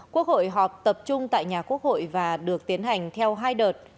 quốc hội họp tập trung tại nhà quốc hội và được tiến hành theo hai đợt